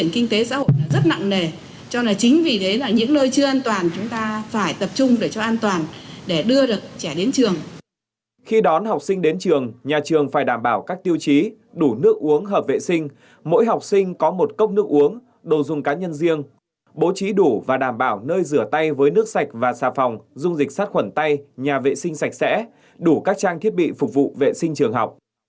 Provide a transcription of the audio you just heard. khi đón học sinh đến trường nhà trường phải đảm bảo các tiêu chí đủ nước uống hợp vệ sinh mỗi học sinh có một cốc nước uống đồ dùng cá nhân riêng bố trí đủ và đảm bảo nơi rửa tay với nước sạch và xà phòng dung dịch sát khuẩn tay nhà vệ sinh sạch sẽ đủ các trang thiết bị phục vụ vệ sinh trường học